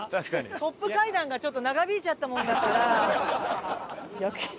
トップ会談がちょっと長引いちゃったものだから。